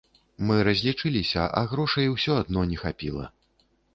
Мы разлічыліся, а грошай усё адно не хапіла.